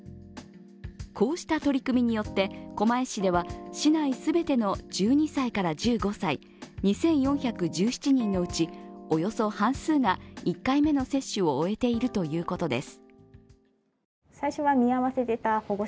こうした取り組みによって狛江市では市内全ての１２歳から１５歳２４１７人のうち、およそ半数が１回目の接種を終えているということです。